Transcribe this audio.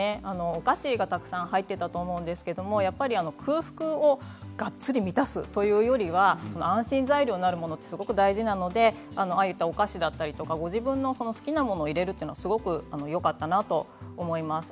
お菓子がたくさん入っていたと思うんですけども空腹をがっつり満たすというよりは安心材料になるものってすごく大事なのでお菓子だったりご自分の好きなものを入れるというのはよかったなと思います。